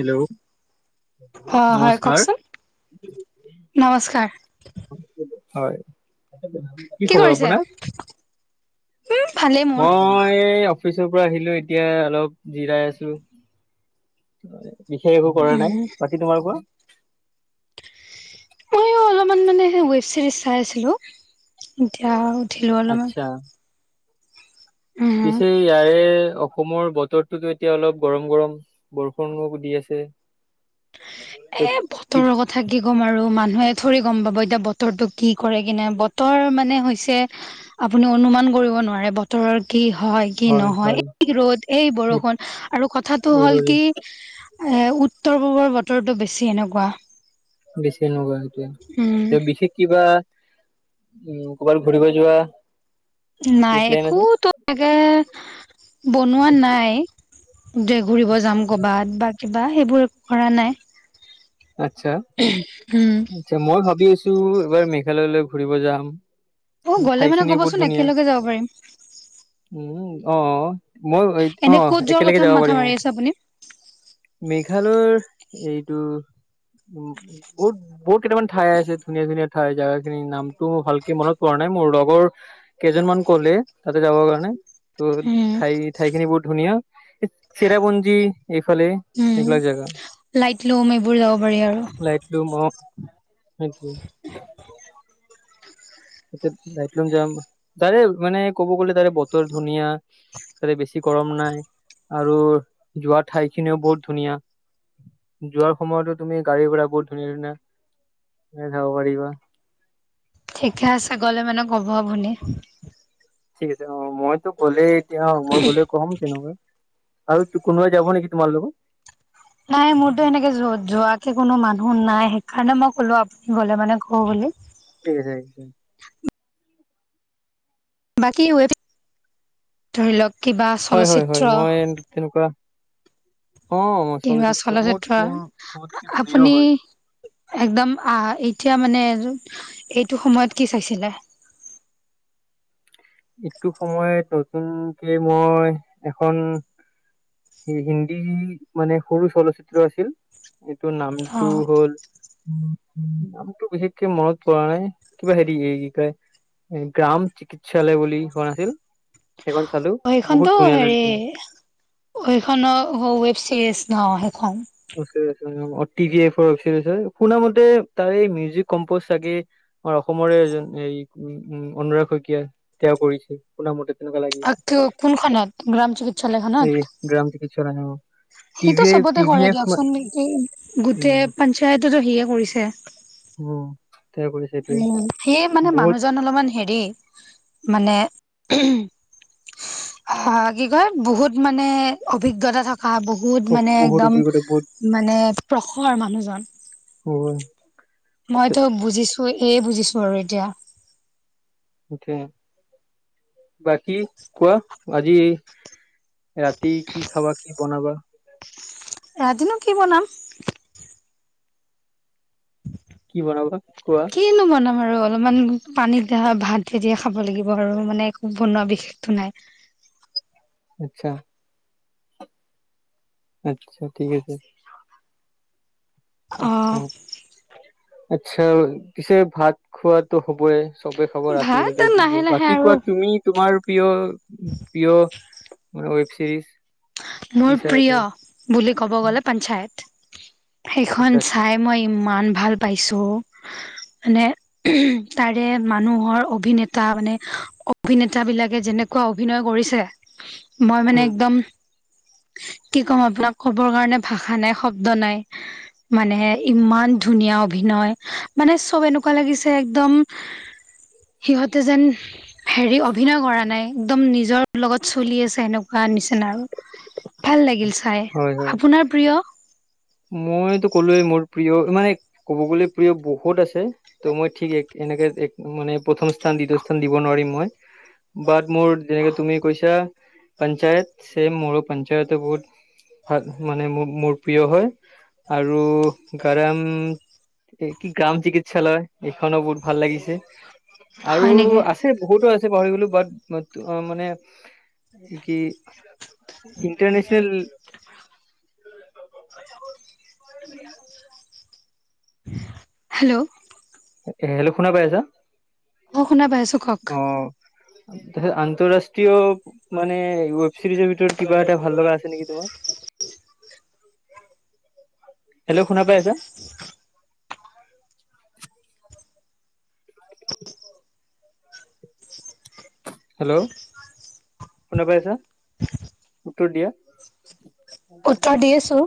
Hello. অ' হয় নমস্কাৰ। কওকচোন। নমস্কাৰ, হয়, কি খবৰ আপোনাৰ? উম ভালেই মোৰ। মই য়ে অফিচৰ পৰা আহিলো, এতিয়া অলপ জিৰাই আছো। বিশেষ একো কৰা উম, নাই, বাকী তোমাৰ কোৱা? মইও অলপমান মানে ৱেব চিৰিজ চাই আছিলো এতিয়া উঠিলো অলপমান। আচ্ছা। উম, পিছে ইাৰে অসমৰ বতৰটোতো এতিয়া অলপ গৰম, গৰম বৰষুনো দি আছে। ত এ, কি বতৰৰ কথা কি ক'ম আৰু মানুহ মানে থৰি গম পাব, এতিয়া বতৰ টো কি কৰে কিনে বতৰ মানে হৈছে আপুনি অনুমান কৰিব নোৱাৰে বতৰৰ কি হয় কি নহয়, এই ৰ'দ এই সেই বৰষুণ আৰু কথাটো হ'ল এইদৰে কি এ, উত্তৰ পূবৰ বতৰটো বেছি এনেকুৱা। বেছি [unintelligible] সেইটোয়ে উম, এ বিশেষ কিবা উ', ক'ৰবাৰ ঘূৰিব যোৱা। কিবা নাই প্লেন একো আছে? তোগে বনোৱা নাই। ঘুৰিব যাম। কৰ'বাত বা কিবা সেইবোৰ একো কৰা নাই। আচছা উম। আচছা মই ভাবি আছো। এবাৰ মেঘালয়লৈ ঘুৰিব যাম। অ গ'লে মানে ঠাইখিনিও বহুত ক'বচোন ধুনীয়া একেলগে যাব পাৰিম। উম অ' মই এনে অ' ক'ত যোৱাৰ একেলগে কথা যাব মাথা পাৰিম মাৰি আছে আপুনি? মস [unintelligible] এইটো? উম, বহুত-বহুত কেইটামান ঠাই আছে ধুনীয়া ধুনীয়া ঠাই, জোগা খিনি নামটো ভালকে মনত প কাৰণে মোৰ লগৰ কেইজন মান কলে তাতে যাবৰ কাৰণে। ত' উম ঠাই-ঠাইখিনি বহুত ধুনীয়া। চেৰাপুঞ্জি এইফালে উম। এইবিলাক জেগা। লাইট লোম এইবোৰ যাব পাৰি আৰু সেটো তলুম যাম তাৰে মানে ক'ব গ'লে তাৰে বতৰ ধুনীয়া তাতে বেছি গৰম নাই আৰু যোৱা ঠাইখিনিও বহুত ধুনীয়া যোৱাৰ সময়তো তুমি গাড়ী ঘোড়া বহুত ধুনীয়া ধুনীয়া এ, খাব পাৰিবা। ঠিকে আছে। গ'লে মানে অব শুনি ঠিক আছে। অ' মইতো গ'লেই এতিয়া মই গ'লে কম তেনেকুৱা আৰু কোনোৱবাই যাব নেকি তোমাৰ লগত নাই মোৰতো সেনেকে য যোৱ। কোনো মানুহ নাই। সেইকাৰণে মই ক'লো আপুনি গ'লে মানে কো বুলি ঠিক আছে। ঠিক আছে। বাকী ৱেব ধৰি লওক কিবা হয় হয় হয় চলচ্চিত্ৰ মই তেনেকুৱা অ মই কিবা মোৰ চলচিত্ৰ মোৰ চবতকে প্ৰিয় আপুনি হয়। একদম আহ', এতিয়া মানে এইটো সময়ত কি চাইছিলে। ইটো সময়ত নতুনকে মই এখন সেই হিন্দী মানে সৰু চলচিত্ৰ আছিল। এইটো অ নামটো হ'ল আমতো বিশেষকে মনত পৰা নাই। কিবা হেৰি এই কি কাই গ্ৰাম চিকিৎসা চালে বুলি শোৱা ন আছিল। সেইখন চালো বহুত ধুনীয়া লাগিছে। সখননৰ ৱেব ছিৰিজ ন সেইখন টিভি শুন মতে তাৰে এই মিউজিক কম্পজ চাগে। আমাৰ অসমৰে এজন এই উম অনুৰাগ শইকীয়া তয়া কৰিছে। শুনা মতে তেনেৱা লাগিছে। কোনখনত গ্ৰাম চিকিৎসালয়খনত এই গ্ৰামত কিছ ন ন টিভি এ টিভি এ খন গোটেই পঞ্চায়ততো সে কৰিছে। উম', তেওঁ কৰিছে এইটোৱে উ', সেইয়ে মানে বহুত মানুহজন অলপমান হেৰি মানে অ', কি কয় বহুত মানে অভিজ্ঞতা থাক বহুত মানে বহুত একদম অভিজ্ঞতা বহুত মানে প্ৰসৰ মানুহজন হয়। তে- মইতো বুজিছো। বুজিছো আৰু এতিয়া য়া বাকী কোৱা আজি ৰাতি কি খাবা? কি বনাবা? ৰাতিনো কি বনাম? কি বনাবা কোৱা। কিনো বনাম আৰু অলপমান পানীতিয়া ভাত দিয়ে খাব লাগিব আৰু মানে একো বনোৱা বিশেষটো নাই। আচ্ছা। আচ্ছা, ঠিক আছে। অ। আচ্ছা আচ্ছা, পিছে ভাত খোৱাটো হ'বই। চবে খবৰ ৰাতি ভাত হ'লে লাহে [inaudible] লাহে বাকী আৰু কোৱা তুমি তোমাৰ প্ৰিয় প্ৰিয় ৱেব চিৰিজ। কি মোৰ চাই আছা প্ৰিয় বুলি ক'ব গ'লে, পঞ্চায়ত। সেইখন আচ্ছা আচ্ছা চাই মই ইমান ভাল পাইছোঁ মানে, তাৰে মানুহৰ অভিনেতা মানে অভিনেতা বিলাকে যেনেকুৱা অভিনয় কৰিছে, মই মানে উম একদম কি ক'ম আপোনাক, ক'বৰ কাৰণে ভাষা নাই, শব্দ নাই। মানে, ইমান ধুনীয়া অভিনয়, মানে চব এনেকুৱা লাগিছে একদম [inaudible] সিহঁতে যেন হেৰি, অভিনয় কৰা নাই একদম, নিজৰ লগত চলি আছে এনেকুৱা নিচিনা আৰু। ভাল লাগিল চাই, হয় হয় আপোনাৰ প্ৰিয়? মইতো ক'লোয়ে, মোৰ প্ৰিয় মানে ক'ব গ'লে, প্ৰিয় বহুত আছে, ত' মই ঠিক একে এনেকে একো মানে, প্ৰথম স্থান, দ্বিতীয় স্থান দিব নোৱাৰিম মই। বাট, মোৰ যেনেকে তুমি কৈছা, পঞ্চায়ত ছেম, মোৰো পঞ্চায়ত বহুত ভ মানে, মোৰ প্ৰিয় হয় আৰু গৰম এই কি, গ্ৰাম চিকিৎসালয়। এইখনো বহুত ভাল লাগিছে, আৰু হয় নেকি? আছে, বহুতো আছে, পাহৰি গ'লোঁ, বাট মইটো অ', মানে কি? ইণ্টাৰনেচনেল। হেল্ল'। হেল্ল', শুনা পাইছা আছা? অ শুনা পাই আছো কওক অ', তাৰপিছত আন্তঃৰাষ্ট্ৰীয় মানে, ৱেব ছিৰিজৰ ভিতৰত কিবা এটা ভাল লগা আছে নেকি তোমাৰ? [inaudible] হেল্ল', শুনা পাই আছা? [inaudible] হেল্ল', শুনা পাই আছা, উত্তৰ দিয়া। [inaudible] উত্তৰ দি আছো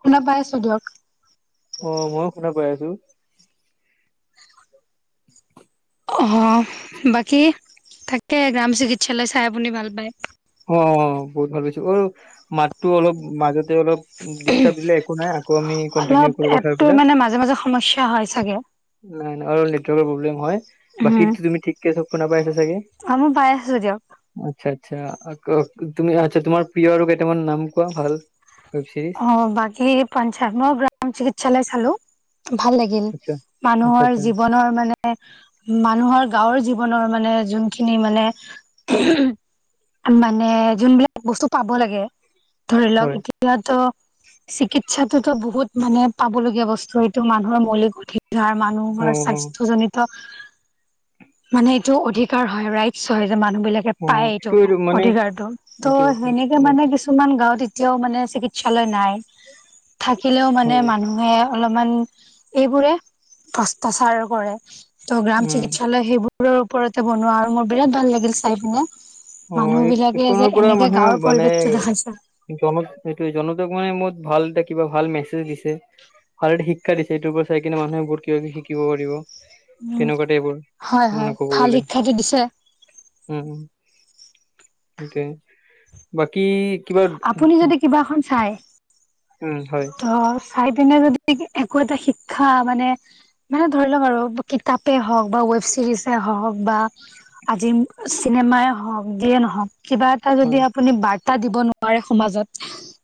শুনা পাই আছো দিয়ক অ', ময়ো শুনা পাই আছোঁ। অ', বাকী থাকে গ্ৰাম চিকি অ', অ', বহুত ভাল হৈছে। মাতটো অলপ মাজতে অলপ ডিষ্টাৰ্ব দিলে, একো নাই, আকৌ আমি কন্টিনিউ কৰোঁ কথা। ত', মানে মাজে মাজে সমস্যা হয় চাগে। নাই, নাই, অলপ নেটৱৰ্কৰ প্ৰব্লেম হয়। উম বাকীটো তুমি ঠিকে চব শুনা পাইছা চাগে। অ', মই পাই আছোঁ, দিয়ক। আচ্ছা, আচ্ছা, তুমি আচ্ছা। তোমাৰ প্ৰিয় আৰু কেইটামান নাম কোৱা, ভাল। ৱেব চিৰিজ অ', বাকী পঞ্চায়ত মই গ্ৰাম চিকিৎসালয় চালোঁ। ভাল লাগিল, আচ্ছা আচ্ছা মানুহৰ আচ্ছা জীৱনৰ মানে, মানুহৰ গাঁৱৰ জীৱনৰ- মানে, জুন খিনি মানে [inaudible] মানে, জুন বিলাক বস্তু পাব লাগে, ধৰি লওক হয় এতিয়া। ত', চিকিৎসাটোতো বহুত, মানে, পাবলগীয়া বস্তু। এইটো মানুহৰ মৌলিক অধিকাৰ। যাৰ অ মানুহৰ অ স্বাস্থ্যজনিত মানে, এইটো অধিকাৰ হয়, ৰাইটচ হয়। মানুহবিলাকে পায় এইটো অধিকাৰতটো ত' এইটো এইটো সেনেকে, ম- মানে, কিছুমান গাঁৱত এতিয়াও, মানে, চিকিৎসালয় নাই। থাকিলেও, মানে, হয় মানুহে অলপমান এইবোৰে ভষ্টাচাৰ কৰে ত' গ্ৰাম উম চিকিৎসালয় সেইবোৰ কুকুৰৰ ওপৰতে বনোৱা হয় আৰু মোৰ বিৰাট ভাল লাগিল চাই পিনে। অ মানুহ এই বিলাকে যে এইখনৰ পৰা এনেকে মানুহে গাঁৱৰ মানে পৰিৱেশটো দেখাইছে জনক এইটো জন মানে মত ভাল এটা কিবা ভাল মেছেজ দিছে। ভালদৰে শিক্ষা দিছে, এইটোৰ পৰা চাই কিনে মানুহে বহুত কিবা-কিবি শিকিব পাৰিব। উম তেনেকুৱাতে এইবোৰ হয় হয় মানে কব ভাল গলে, শিক্ষাটো দিছে উম। তে, বাকী কিবা আপুনি যদি উম কিবা এখন চাই হয় ত' চাই পিনে যদি একো এটা শিক্ষা মানে মানে ধৰি লওক আৰু কিতাপেই হওক বা ৱেব ছিৰিজে হওক বা আজি চিনেমাই হওক যিয়ে নহওক কিবা এটা যদি হয় আপুনি বাৰ্তা দিব নোৱাৰে সমাজত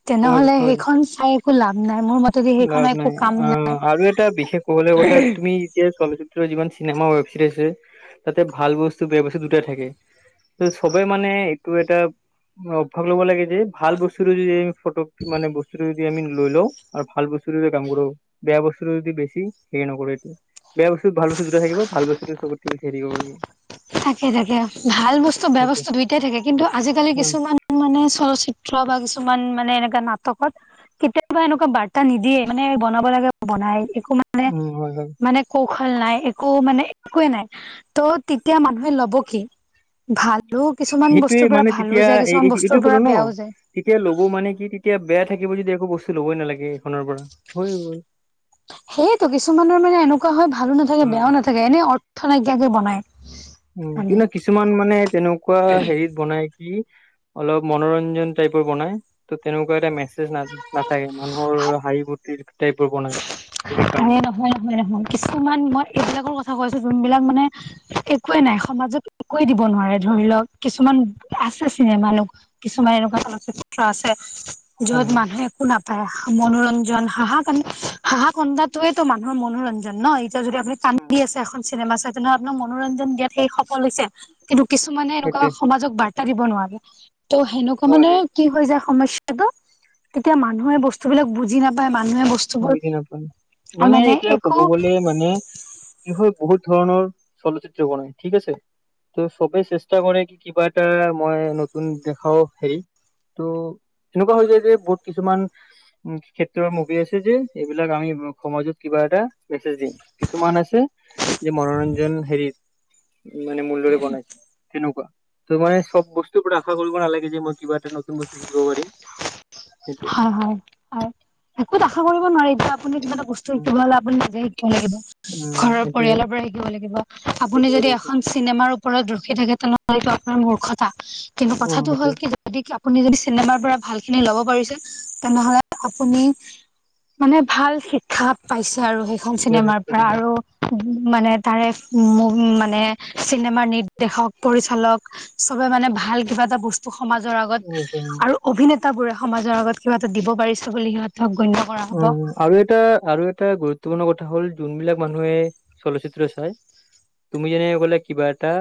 তেনেহলে সমাজত হয় সেইখন চাই একো লাভ নাই। মোৰ মতেদি সেইখন লাভ একো নাই কাম অ, নাই আৰু এটা বিশেষ কবলগীয়া কথা তুমি এতিয়া চলচিত্ৰ যিমান চিনেমা ৱেব চিৰিজ আছে তাতে ভাল বস্তু বেয়া বস্তু দুটাই থাকে। সবেই মানে এইটো এটা অভ্যাস ল'ব লাগে। যে এই ভাল বস্তুটো যদি ফটো মানে বস্তুটো যদি আমি লৈ, লওঁ। আৰু ভাল বস্তু যদি কাম কৰো, বেয়া বস্তু যদি বেছি হেৰি নকৰো এইটো। বেয়া বস্তু ভাল বস্তু দুটা থাকিব। ভালবস্তুটো চবতকে বেছি হেৰি কৰিব লাগে। থাকে, থাকে। ভাল বস্তু বেয়া সেইটোৱে বস্তু দুইটাই থাকে কিন্তু আজিকালি উম কিছুমান মানে চলচিত্ৰ বা কিছুমান মানে এ নাটকত কেতিয়াবা এনেকুৱা বাৰ্তা নিদিয়ে মানে বনাব লাগে বনাই। উম, হয়, হয়। সুফল নাই একো মানে একোৱে নাই ত' তেতিয়া মানুহে ল'ব কি? ভালো কিছুমান সেইটোয়ে বস্তুৰ পৰা মানে ভালো তেতিয়া যায়, এই কিছুমান বস্তুৰ এইটোয়ে পৰা ক'লো ন বেয়াও যায়। তেতিয়া ল'ব মানে কি তেতিয়া বেয়া থাকিব যদি একো বস্তু ল'বই নালাগে সেইখনৰ পৰা হৈ গল। সেয়েতো কিছুমানৰ মানে এনেকুৱা হয়, ভালো নাথাকে, উম বেয়াও নাথাকে, এনেই অৰ্থ নাইকিয়াকে বনায়। উ, কিন্তু কিছুমান মানে তেনেকুৱা হেৰিত বনাই। অলপ মনোৰঞ্জন টাইপৰ বনাই ত' তেনেকুৱা এটা মেছেজ না, নাথাকে, মানুহৰ হাঁহি, ফুৰ্তিৰ টাইপৰ বনাই। ত' এই সেইকাৰণে নহয়, নহয়, নহয় কিছুমান মই এইবিলাকৰ কথা কৈছো। যোনবিলাক মানে একোৱে নাই সমাজত একোৱে দিব নোৱাৰে ধৰি লওক কিছুমান আছে। চিনেমা এনেকুৱা কিছুমান এনেকুৱা চলচিত্ৰ আছে। য'ত হয় মানুহে একো নাপায় মনোৰঞ্জন হাহা, কান্দা হাঁহা কন্দোটোৱেটো মানুহৰ মনোৰঞ্জন ন এতিয়া যদি আপুনি হয় কান্দি আছে এখন চিনেমা চাই তেনেহলে আপোনাৰ মনোৰঞ্জন দিয়াত সেই সফল হৈছে। কিন্তু কিছুমানে সেইটোৱে এনেকুৱা সমাজক বাৰ্তা দিব নোৱাৰে ত' সেনেকুৱা হয় মানে হয় কি হৈ যায় সমস্যাটো তেতিয়া মানুহে বস্তুবিলাক বুজি নাপায় মানুহে বস্তুবোৰ বুজি মানে এতিয়া ক'ব গলে মানে কি হয়, বহুত ধৰণৰ চলচিত্ৰ হোৱা নাই, ঠিক আছে। ত, চবেই চেষ্টা কৰে কি, কিবা এটা মই নতুন দেখাও হেৰি ত' এনেকুৱা হৈ যায় যে, বহুত কিছুমান উ, ক্ষেত্ৰৰ মুভি আছে। এইবিলাক আমি সমাজত কিবা এটা মেছেজ দিম কিছুমান আছে। যে মনোৰঞ্জন হেৰিত মানে মূল্যৰে বনাই তেনেকুৱা। ত' মানে চব বস্তুৰ আশা কৰিব নালাগে যে মই কিবা এটা নতুন বস্তু শিকিব পাৰিম। সেইটোৱে হয় হয় হয়। একোত আশা কৰিব নোৱাৰি এতিয়া আপুনি কিবা এটা বস্তু উম শিকিব হ'লে আপুনি নিজে শিকিব লাগিব। উম ঘৰৰ সেইটোৱে পৰিয়ালৰ পৰা শিকিব লাগিব। আপুনি শিকিব যদি লাগিব এখন চিনেমাৰ ওপৰত ৰখি থাকে তেনেহলে এইটো আপোনাৰ মূৰ্খতা কিন্তু অ কথাটো হ'ল সেইটোৱে কি যদি আপুনি যদি চিনেমাৰ পৰা ভালখিনি লব পাৰিছে তেনেহ'লে আপুনি মানে ভাল শিক্ষা পাইছে আৰু সেইখন চিনেমাৰ পৰা আৰু মানে তাৰে মানে চিনেমাৰ নিৰ্দেশক, পৰিচালক চবে মানে ভাল কিবা এটা বস্তু সমাজৰ আগত আৰু অভিনেতা বোৰে সমাজৰ আগত কিবা এটা দিব পাৰিছে বুলি সিহঁত উ, আৰু এটা আৰু এটা গুৰুত গুৰুত্বপূৰ্ণ কথা হ'ল যোনবিলাক মানুহে চলচিত্ৰ চাই তুমি যেনে কলা কিবা এটা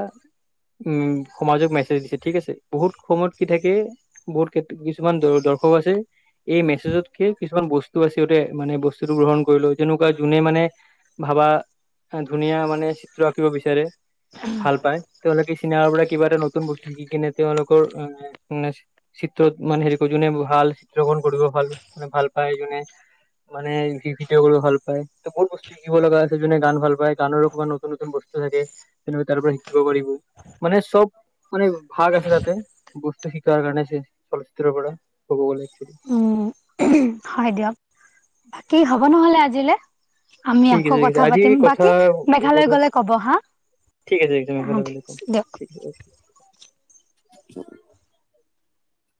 উম, সমাজক মেছেজ দিছে, ঠিক আছে বহুত সময়ত কি থাকে বহুত কিছুমান দ, দ শক আছে, এই মেছেজ তকে কিছুমান বস্ আছে মানে বস্তুতটো গ্ৰহণ কৰিলো যেনেকুৱা যোনে মানে ভাবা ধুনীয়া মানে চিত্ৰ আঁকিব বিচাৰে ভাল পায় তেওঁলোকে চিনেমাৰ পৰা কিবা এটা নতুন বস্তু শিকি কিনে তেওঁলোকে মান চিত্ৰ মানে হেৰি কৰ যোনে ভাল চিত্ৰকৰণ কৰিব ভাল মানে ভাল পায় কেনে হয় [inaudible] মানে ভিডিঅ কৰি ভাল পায় ত বহু বস্তু শিকিব লগা আছে যোনে গান ভাল পায় গানৰো কমান নতুন নতুন বস্তু তেনেক তাৰ পৰা শিকিব পাৰিব মানে চব মান ভাল আছে তাতে বস্তু শিকাৰ কাৰণে ছে- চলচিত্ৰৰ পৰা ক'ব গলে। একচুৱেলি। উম, হয়, দিয়া বাকী হ'ব নহলে, আজিলৈ। আমি ঠিক আকৌ আছে ঠিক আছে কথা আজি পাতিম, কথা বাকী মেঘালয় গ'লে ক'ব হা। ঠিক আছে একছ অ ভাল ভ ঠিক আছে দিয়ক কমঠিক আ [unintelligible]